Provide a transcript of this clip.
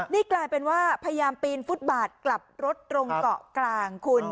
นี่กลายเป็นว่าพยายามปีนฟุตบาทกลับรถตรงเกาะกลางคุณ